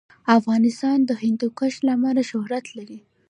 افغانستان د هندوکش له امله شهرت لري.